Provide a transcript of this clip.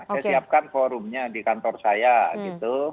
saya siapkan forumnya di kantor saya gitu